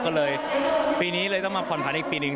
ก็เลยปีนี้เลยต้องมาผ่อนผันอีกปีหนึ่ง